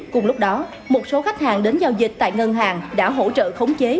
cùng lúc đó một số khách hàng đến giao dịch tại ngân hàng đã hỗ trợ khống chế